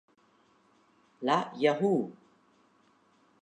La "Yahoo!